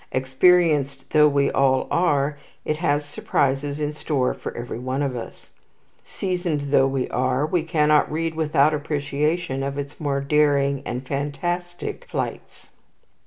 Experienced though we all are, it has surprises in store for every one of us. Seasoned though we are, we cannot read without appreciation of its more daring and fantastic flights.